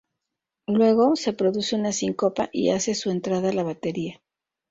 Luego, se produce una síncopa y hace su entrada la batería.